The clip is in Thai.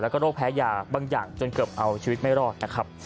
แล้วก็โรคแพ้ยาบางอย่างจนเกือบเอาชีวิตไม่รอดนะครับ